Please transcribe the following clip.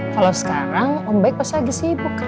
kalau sekarang om baik masih lagi sibuk kerja